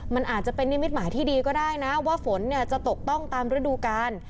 มันอาจจะเป็นนิมิตหมายที่ดีก็ได้นะว่าฝนเนี่ยจะตกต้องตามฤดูกาล